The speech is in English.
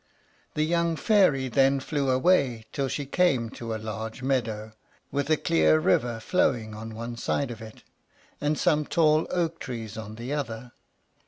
The young Fairy then flew away till she came to a large meadow, with a clear river flowing on one side of it, and some tall oak trees on the other.